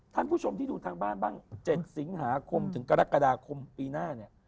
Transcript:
ท่านผู้ชมที่ดูทางบ้านบ้าง๗สิงหาคมถึงกรกฎาคมปีหน้าเนี่ย